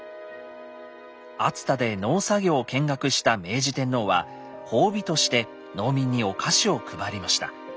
熱田で農作業を見学した明治天皇は褒美として農民にお菓子を配りました。